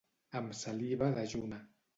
Amb saliva dejuna.